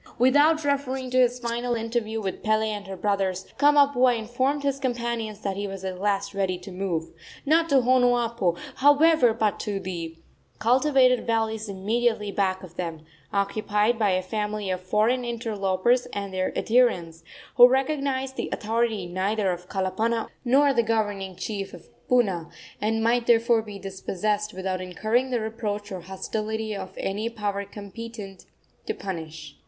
Without referring to his final interview with Pele and her brothers, Kamapuaa informed his companions that he was at last ready to move not to Honuapo, however, but to the cultivated valleys immediately back of them, occupied by a family of foreign interlopers and their adherents, who recognized the authority neither of Kalapana nor the governing chief of Puna, and might therefore be dispossessed without incurring the reproach or hostility of any power competent to punish.